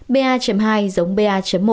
ba hai giống ba một